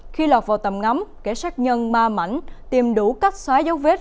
khi lọt vào tầm ngắm kẻ sát nhân ma mảnh tìm đủ cách xóa dấu vết